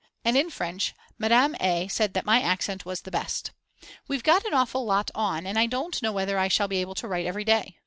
And in French Madame A. said that my accent was the best. We've got an awful lot on and I don't know whether I shall be able to write every day.